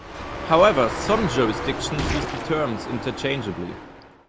However, some jurisdictions use the terms interchangeably.